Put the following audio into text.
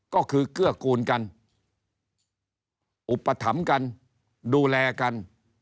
ก็คือเกื้อกูลกันอุปถัมภ์กันดูแลกัน